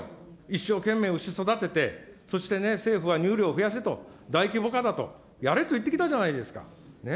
一生懸命牛育てて、そしてね、政府は乳量を増やせと、大規模化だと、やれと言ってきたじゃないですか、ね。